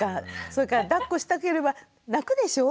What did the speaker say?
それからだっこしたければ泣くでしょ？